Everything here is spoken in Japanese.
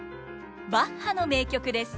バッハの名曲です。